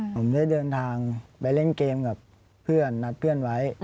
ผมได้เดินทางไปเล่นเกมกับเพื่อนนัดเพื่อนไว้